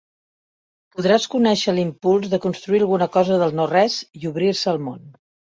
Podràs conèixer l'impuls de construir alguna cosa del no-res i obrir-se al món.